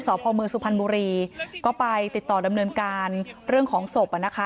พ่อเมืองสุพรรณบุรีก็ไปติดต่อดำเนินการเรื่องของศพอ่ะนะคะ